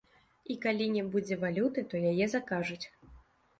І калі не будзе валюты, то яе закажуць.